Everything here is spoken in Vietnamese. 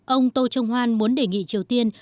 ông tô trung hoan muốn đề nghị triều tiên